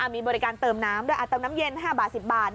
มีบริการเติมน้ำด้วยเติมน้ำเย็น๕บาท๑๐บาท